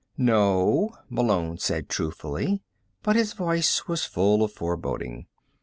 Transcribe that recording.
"No," Malone said truthfully, but his voice was full of foreboding.